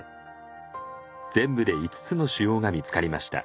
全部で５つの腫瘍が見つかりました。